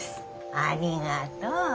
ありがとう。